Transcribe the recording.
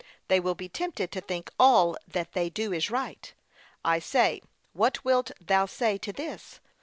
They will be tempted to think all that they do is right. I say, what wilt thou say to this?